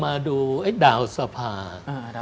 ไม่มีอำนาจ